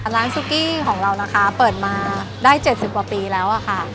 ซุกี้ของเรานะคะเปิดมาได้๗๐กว่าปีแล้วค่ะ